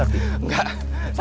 sakti mau beresin kuburan mama